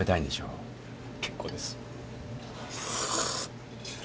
結構です。